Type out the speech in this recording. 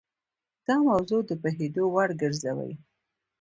دا موضوع د پوهېدو وړ ګرځوي.